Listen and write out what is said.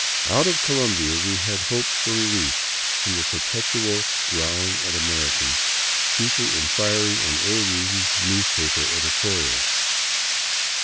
Once out of Colombia, we had hoped for relief from the per petual growling at Americans, chiefly in fiery and ill reasoned news paper editorials.